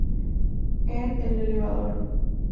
En el elevador.